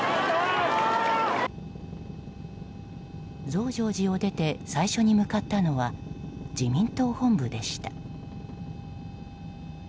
増上寺を出て最初に向かったのは自民党本部でした。